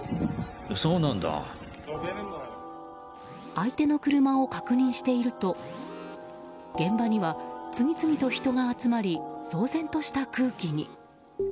相手の車を確認していると現場には次々と人が集まり騒然とした空気に。